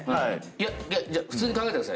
いや普通に考えてください。